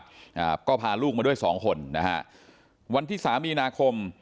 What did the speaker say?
อ่าก็พาลูกมาด้วยสองคนนะฮะวันที่สามมีนาคม